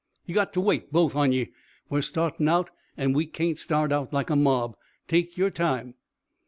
Ye got to wait, both on ye. We're startin' out, an' we kain't start out like a mob. Take yer time."